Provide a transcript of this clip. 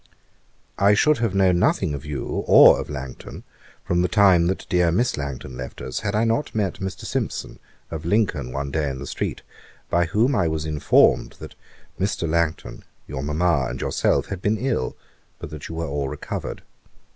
'I should have known nothing of you or of Langton, from the time that dear Miss Langton left us, had not I met Mr. Simpson, of Lincoln, one day in the street, by whom I was informed that Mr. Langton, your Mamma, and yourself, had been all ill, but that you were all recovered.